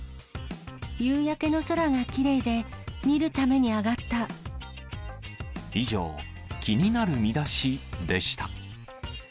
夕焼けの空がきれいで、以上、気になるミダシでした。